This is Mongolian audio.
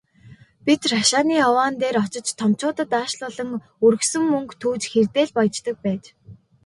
Бид рашааны овоон дээр очиж томчуудад аашлуулан, өргөсөн мөнгө түүж хэрдээ л «баяждаг» байж.